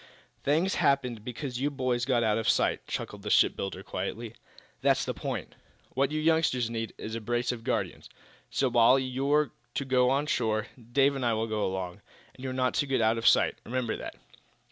"Things happened because you boys got out of our sight," chuckled the shipbuilder, quietly. "That's the point. What you youngsters need is a brace of guardians. So, while you're to go on shore, Dave and I will go along, and you're not to get out of our sight. Remember that."